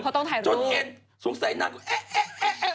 พอต้องถ่ายรูปจนเอ็นสงสัยนางก็แอ๊ะแอ๊ะแอ๊ะแอ๊ะ